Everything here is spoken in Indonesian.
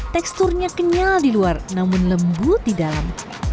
teksturnya kenyal di luar namun lembut di dalam